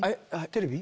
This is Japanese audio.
テレビ？